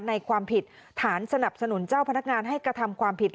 ความผิดฐานสนับสนุนเจ้าพนักงานให้กระทำความผิด